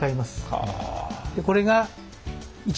はあ。